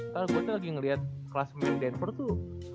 kalau gue tuh lagi ngeliat kelas main denver tuh